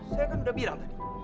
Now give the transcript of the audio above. saya kan udah bilang tadi